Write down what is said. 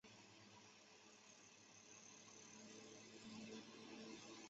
列辛顿是一个位于美国密西西比州霍尔姆斯县的城市。